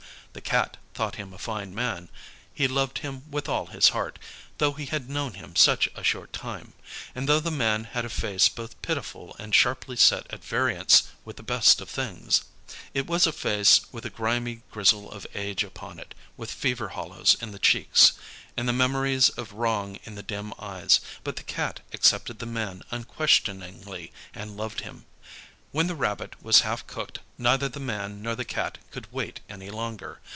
The Cat thought him a fine man. He loved him with all his heart, though he had known him such a short time, and though the man had a face both pitiful and sharply set at variance with the best of things. It was a face with the grimy grizzle of age upon it, with fever hollows in the cheeks, and the memories of wrong in the dim eyes, but the Cat accepted the man unquestioningly and loved him. When the rabbit was half cooked, neither the man nor the Cat could wait any longer.